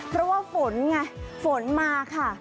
เพราะว่าฝนไงฝนมาค่ะ